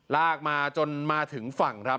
ลากมาจนมาถึงฝั่งครับ